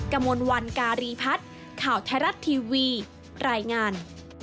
กระมวลวันการีพัฒน์ข่าวไทยรัฐทีวีรายงาน